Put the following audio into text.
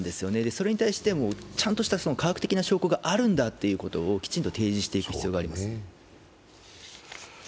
それに対して、ちゃんとした科学的な証拠があるんだということをきちんと提示していく必要があります。